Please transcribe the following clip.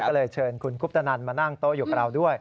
ก็เลยเชิญคุณคุปตนันมานั่งโต๊ะอยู่กับเราด้วย